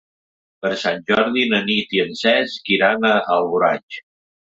Per Sant Jordi na Nit i en Cesc iran a Alboraig.